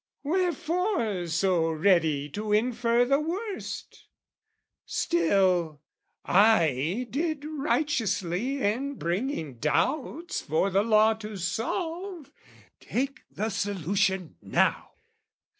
Wherefore so ready to infer the worst? Still, I did righteously in bringing doubts For the law to solve, take the solution now!